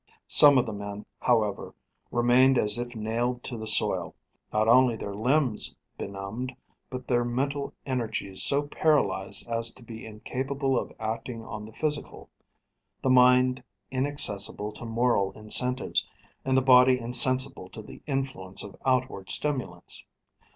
Some of the men, however, remained as if nailed to the soil not only their limbs benumbed, but their mental energies so paralysed as to be incapable of acting on the physical; the mind inaccessible to moral incentives, and the body insensible to the influence of outward stimulants.